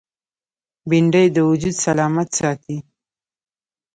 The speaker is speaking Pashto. بېنډۍ د وجود سلامت ساتي